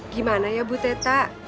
gimana ya bu teh tak